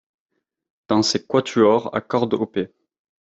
Dans ses quatuors à cordes op.